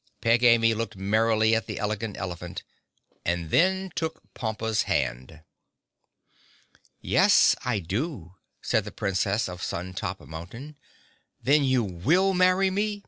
Peg Amy looked merrily at the Elegant Elephant and then took Pompa's hand. "Yes, I do," said the Princess of Sun Top Mountain. "Then, you will marry me?"